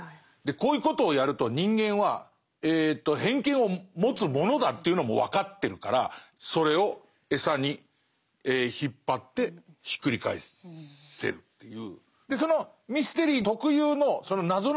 こういうことをやると人間は偏見を持つものだというのも分かってるからそれを餌に引っ張ってひっくり返せるという。